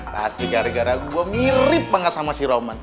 pasti gara gara gue mirip banget sama si roman